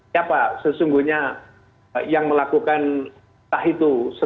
siapa sesungguhnya yang melakukan entah itu